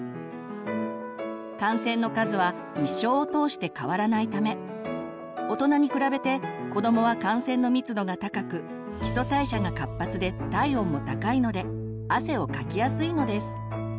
汗腺の数は一生を通して変わらないため大人に比べて子どもは汗腺の密度が高く基礎代謝が活発で体温も高いので汗をかきやすいのです。